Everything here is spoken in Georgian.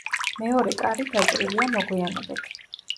მეორე კარი გაჭრილია მოგვიანებით.